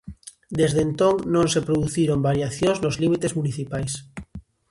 Desde entón non se produciron variacións nos límites municipais.